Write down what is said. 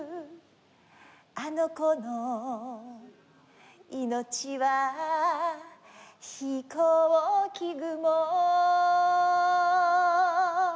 「あの子の命はひこうき雲」